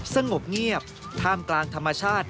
สงบเงียบท่ามกลางธรรมชาติ